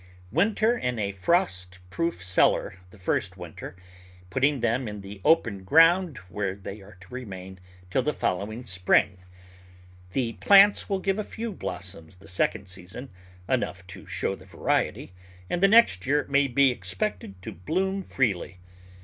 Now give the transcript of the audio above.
Winter in a frost proof cellar the first winter, putting them in the open ground where they are to remain till the following spring. The plants will give a few blossoms the second season, enough to show the variety, and the next year may be expected to bloom freely.